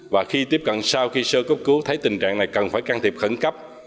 và khi tiếp cận sau khi sơ cấp cứu thấy tình trạng này cần phải can thiệp khẩn cấp